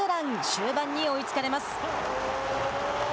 終盤に追いつかれます。